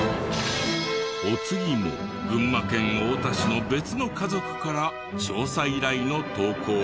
お次も群馬県太田市の別の家族から調査依頼の投稿が。